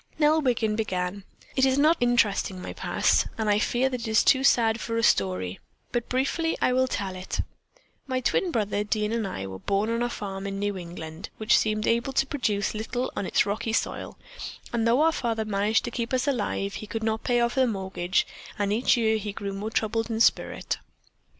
Nell Wiggin began: "It is not interesting, my past, and I fear that it is too sad for a story, but briefly I will tell it: My twin brother, Dean, and I were born on a farm in New England which seemed able to produce but little on its rocky soil, and though our father managed to keep us alive, he could not pay off the mortgage, and each year he grew more troubled in spirit.